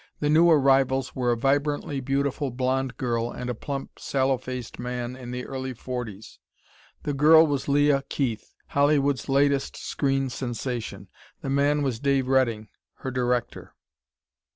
The new arrivals were a vibrantly beautiful blond girl and a plump, sallow faced man in the early forties. The girl was Leah Keith, Hollywood's latest screen sensation. The man was Dave Redding, her director.